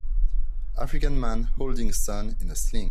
African man holding son in a sling.